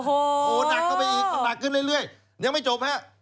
โอ้โหหนักเข้าไปอีกก็หนักขึ้นเรื่อยยังไม่จบฮะ